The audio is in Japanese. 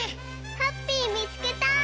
ハッピーみつけた！